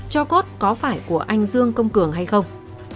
cho cốt có phải của anh dương công cường hay không